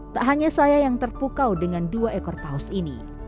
tak hanya saya yang terpukau dengan dua ekor paus ini